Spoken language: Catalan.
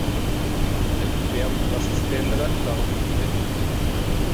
El govern va suspendre la recollida.